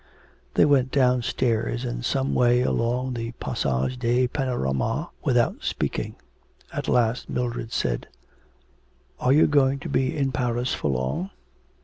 They went downstairs and some way along the Passage des Panoramas without speaking. At last Mildred said: 'Are you going to be in Paris for long?'